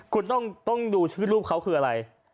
คุณต้องดูชื่อรูปเขาคืออะไร